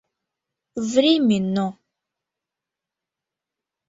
Временно.